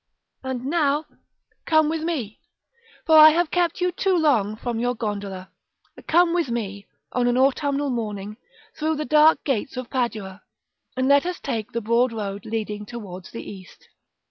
§ VII. And now come with me, for I have kept you too long from your gondola: come with me, on an autumnal morning, through the dark gates of Padua, and let us take the broad road leading towards the East.